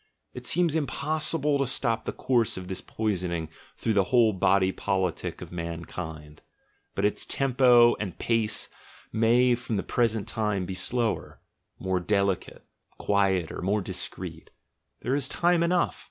It seems impossible to stop the course of this poisoning through the whole body politic of mankind — but its tempo and pace may from the present time be slower, more delicate, quieter, more discreet — there is time enough.